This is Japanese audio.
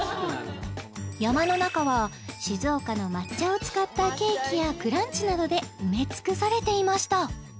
山の中は静岡の抹茶を使ったケーキやクランチなどで埋め尽くされていました